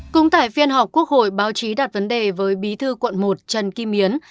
cũng tại phiên họp quốc hội báo chí đặt vấn đề với bí thư quận một trần kim yến